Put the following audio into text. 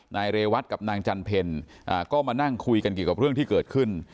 นายเรวัตกับนางจันเพลก็มานั่งคุยกันเกี่ยวกับเรื่องที่เกิดขึ้น